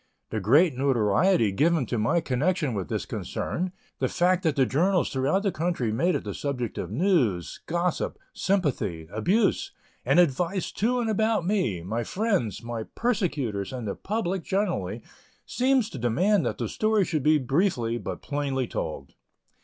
The great notoriety given to my connection with this concern the fact that the journals throughout the country made it the subject of news, gossip, sympathy, abuse, and advice to and about me, my friends, my persecutors, and the public generally seems to demand that the story should be briefly but plainly told.